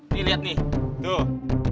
nih liat nih tuh